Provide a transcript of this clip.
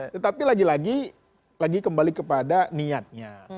tetapi lagi lagi kembali kepada niatnya